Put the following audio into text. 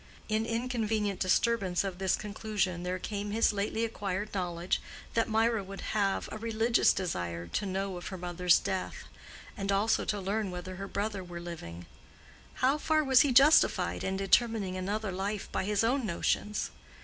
In inconvenient disturbance of this conclusion there came his lately acquired knowledge that Mirah would have a religious desire to know of her mother's death, and also to learn whether her brother were living. How far was he justified in determining another life by his own notions?